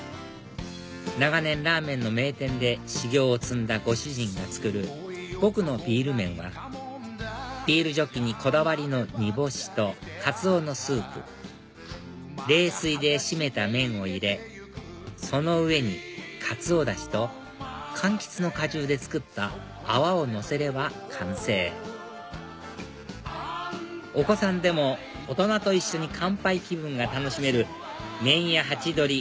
長年ラーメンの名店で修業を積んだご主人が作るぼくのビール麺はビールジョッキにこだわりの煮干しとかつおのスープ冷水で締めた麺を入れその上にかつおダシとかんきつの果汁で作った泡をのせれば完成お子さんでも大人と一緒に乾杯気分が楽しめる麺屋はちどり